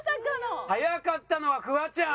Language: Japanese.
速かったのはフワちゃん。